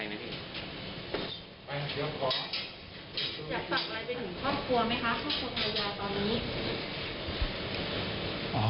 อ๋อมรญญาครับ